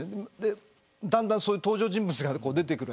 だんだん登場人物が出てくる。